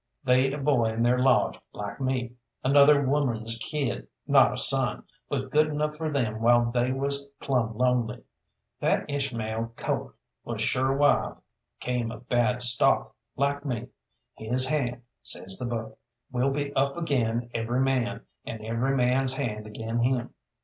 They'd a boy in their lodge like me, another woman's kid, not a son, but good enough for them while they was plumb lonely. That Ishmael colt was sure wild came of bad stock, like me. 'His hand,' says the book, 'will be up agin every man, and every man's hand agin him.'